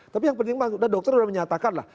tapi yang penting dokter sudah menyatakan lah